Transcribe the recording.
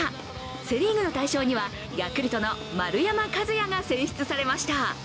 セ・リーグの大賞にはヤクルトの丸山和郁が選出されました。